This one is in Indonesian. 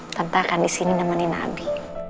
tante akan disini nemenin abi